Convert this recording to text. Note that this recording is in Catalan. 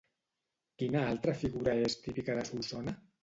Quina altra figura és típica de Solsona?